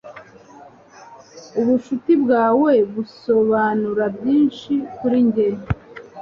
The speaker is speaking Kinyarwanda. Ubucuti bwawe busobanura byinshi kuri njye.